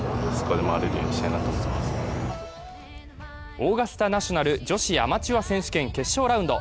オーガスタナショナル女子アマチュア選手権、決勝ラウンド。